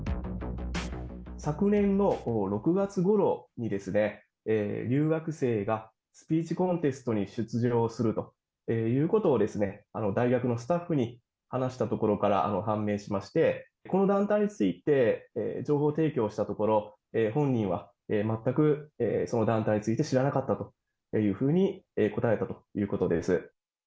昨年の６月ごろに、留学生がスピーチコンテストに出場するということを大学のスタッフに話したところから判明しまして、この団体について、情報提供したところ、本人は全くその団体について、知らなかったというふうに答えたということです。